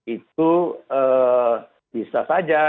itu bisa saja